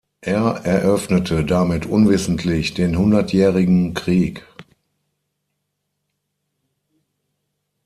Er eröffnete damit unwissentlich den Hundertjährigen Krieg.